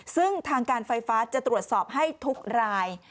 ซึ่งทางการไฟฟ้าจะตรวจสอบให้ทุกราย